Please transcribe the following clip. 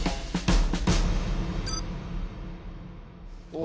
お。